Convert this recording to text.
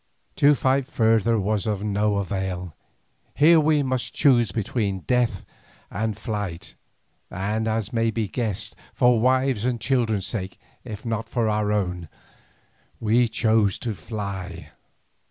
To fight further was of no avail, here we must choose between death and flight, and as may be guessed, for wives' and children's sake if not for our own, we chose to fly.